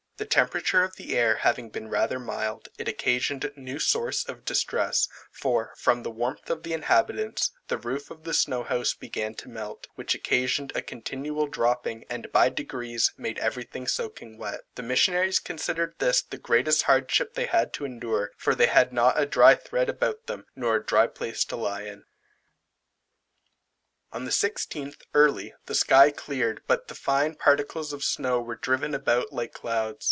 The temperature of the air having been rather mild, it occasioned new source of distress, for, from the warmth of the inhabitants, the roof of the snow house began to melt, which occasioned a continual dropping, and by degrees made every thing soaking wet. The missionaries considered this the greatest hardship they had to endure, for they had not a dry thread about them, nor a dry place to lie in. On the 16th, early, the sky cleared, but the fine particles of snow were driven about like clouds.